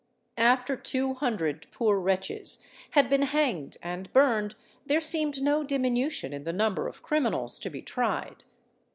After two hundred poor wretches had been hanged and burned, there seemed no diminution in the number of criminals to be tried.